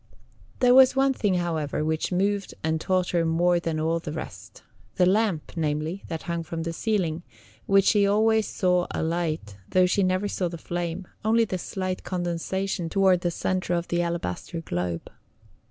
There was one thing, however, which moved and taught her more than all the rest the lamp, namely, that hung from the ceiling, which she always saw alight, though she never saw the flame, only the slight condensation toward the centre of the alabaster globe.